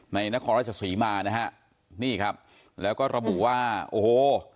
นครราชศรีมานะฮะนี่ครับแล้วก็ระบุว่าโอ้โห